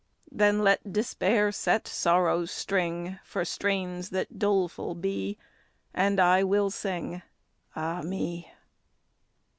Then let despair set sorrow's string, For strains that doleful be; And I will sing, Ah me!